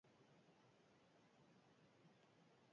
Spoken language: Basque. Beste batzuek, ordea, ez zuten jantzirik egokiena aukeratzen jakin.